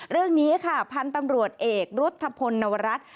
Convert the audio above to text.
เรื่องนี้ค่ะพันธุ์ตำรวจเอกรุธพลนวรัฐ